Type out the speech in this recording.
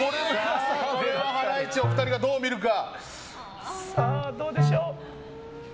ハライチお二人はどう見るか。